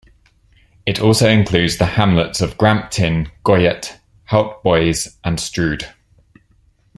It also includes the hamlets of Gramptinne, Goyet, Haut-Bois, and Strud.